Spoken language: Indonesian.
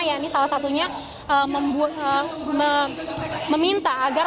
yang ini salah satunya meminta agar